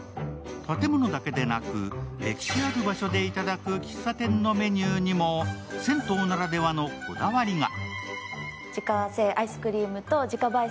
建物だけでなく歴史ある場所で頂く喫茶店のメニューにも銭湯ならではのこだわりが。